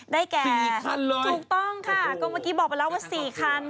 ได้แก่คันเหรอถูกต้องค่ะก็เมื่อกี้บอกไปแล้วว่า๔คัน